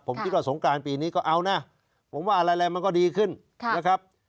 ผมคิดว่าสงกรานปีนี้ก็เอานะผมว่าอะไรมันก็ดีขึ้นนะครับ